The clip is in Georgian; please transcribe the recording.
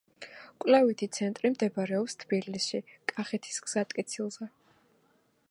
კვლევითი ცენტრი მდებარეობს თბილისში, კახეთის გზატკეცილზე.